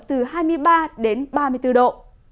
nhiệt độ giao động từ hai mươi ba đến ba mươi bốn độ